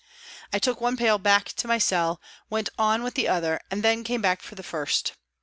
I took one pail back to my cell, went on with the other, and then came back for the first.